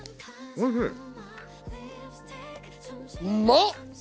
うまっ！